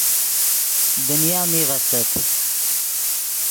دنیا میغ استت